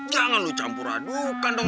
jangan lu campur adukan dong